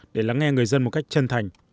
để lắng nghe người dân một cách chân thành